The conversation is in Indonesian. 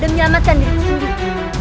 dan menyelamatkan diriku sendiri